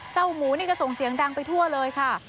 หมูนี่ก็ส่งเสียงดังไปทั่วเลยค่ะ